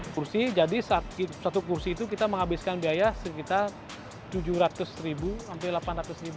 kursi jadi satu kursi itu kita menghabiskan biaya sekitar tujuh ratus ribu sampai delapan ratus